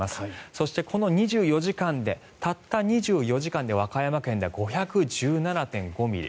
そしてこの２４時間でたった２４時間で和歌山県で５１７．５ミリ。